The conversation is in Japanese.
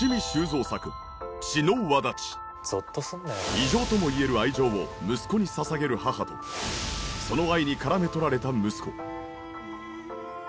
異常ともいえる愛情を息子に捧げる母とその愛に絡め取られた息子。